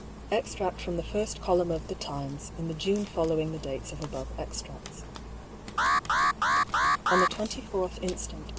Extract from the first column of The Times^ in the June following the dates of above extracts :" On the 24th inst.